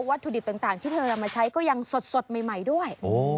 ถุดิบต่างที่เธอนำมาใช้ก็ยังสดใหม่ด้วย